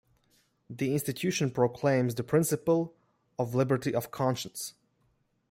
The Institution proclaims the principle of "Liberty of Conscience".